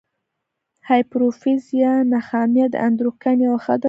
هایپوفیز یا نخامیه د اندوکراین یوه غده ده.